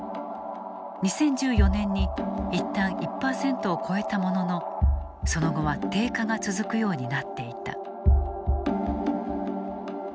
２０１４年にいったん１％を超えたもののその後は低下が続くようになっていた。